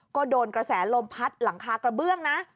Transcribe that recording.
ก็โดนกระแสลมพัดหลังคากระเบื้องนะ